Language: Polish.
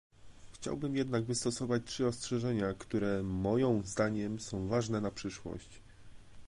Chciałbym jednak wystosować trzy ostrzeżenia, które moją zdaniem są ważne na przyszłość